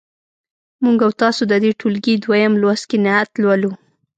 موږ او تاسو د دې ټولګي دویم لوست کې نعت لولو.